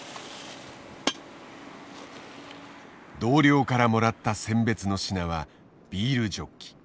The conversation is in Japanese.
同僚からもらったせん別の品はビールジョッキ。